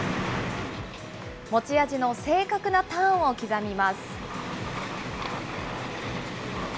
持ち味の正確なターンを刻みます。